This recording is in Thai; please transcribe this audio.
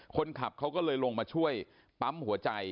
คนขับเขาก็เลยลงมาช่วยปั๊มหัวใจ